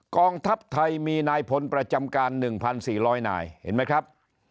กองทัพไทยมีนายพลประจำการ๑๔๐๐นายเห็นไหมครับ